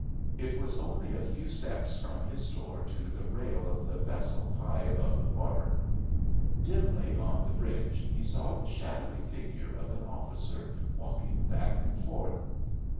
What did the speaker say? It was only a few steps from his door to the rail of the vessel high above the water. Dimly on the bridge he saw the shadowy figure of an officer walking back and forth.